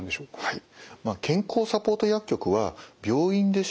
はい。